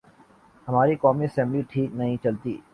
ہماری قومی اسمبلی ٹھیک نہیں چلتی۔